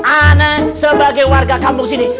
ana sebagai warga kampung sini